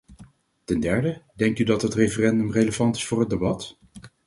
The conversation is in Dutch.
Ten derde, denkt u dat het referendum relevant is voor het debat?